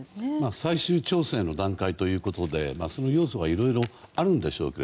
最終調整の段階ということで要素はいろいろあるんでしょうが